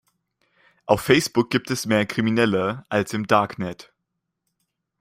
Auf Facebook gibt es mehr Kriminelle als im Darknet.